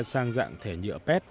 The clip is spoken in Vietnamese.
sang dạng thẻ nhựa pet